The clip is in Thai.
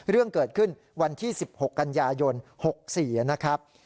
เรื่องเกิดขึ้นวันที่๑๖กันยายน๖๔นะครับ